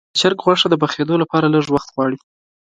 د چرګ غوښه د پخېدو لپاره لږ وخت غواړي.